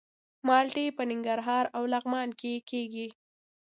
مالټې په ننګرهار او لغمان کې کیږي.